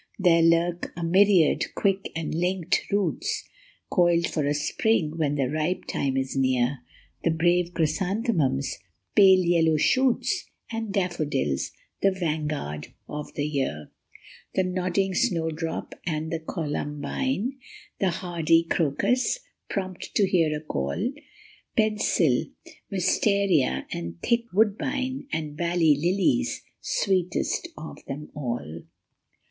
There lurk a myriad quick and linked roots, Coiled for a spring when the ripe time is near ; The brave chrysanthemum s pale yellow shoots And daffodils, the vanguard of the year ; The nodding snowdrop and the columbine ; The hardy crocus, prompt to hear a call ; Pensile wistaria and thick woodbine ; y\nd valley lilies, sweetest of them all.